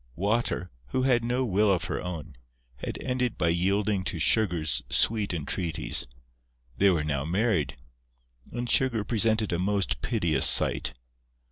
Water, who had no will of her own, had ended by yielding to Sugar's sweet entreaties: they were now married; and Sugar presented a most piteous sight.